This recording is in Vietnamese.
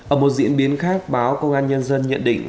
ở một diễn biến khác báo công an nhân dân nhận định